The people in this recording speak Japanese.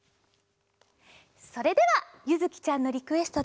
それではゆずきちゃんのリクエストで。